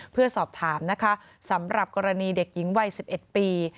เป็นตอบทางสำหรับกรณีเด็กหญิงวัย๑๑ปี